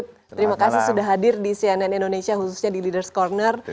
terima kasih sudah hadir di cnn indonesia khususnya di leader's corner